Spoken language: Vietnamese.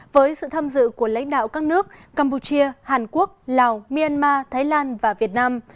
với sự tham dự của lãnh đạo các nước campuchia hàn quốc lào myanmar thái lan và việt nam